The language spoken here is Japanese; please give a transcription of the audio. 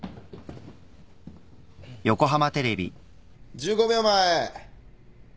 １５秒前。